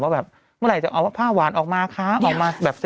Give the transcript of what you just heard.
แบบเมื่อไหร่จะเอาผ้าหวานออกมาครับออกมาแบบ